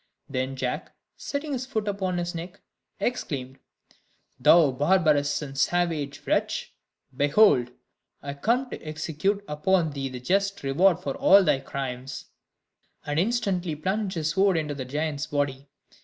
Then Jack, setting his foot upon his neck, exclaimed: "Thou barbarous and savage wretch, behold, I come to execute upon thee the just reward for all thy crimes;" and instantly plunged his sword into the giant's body.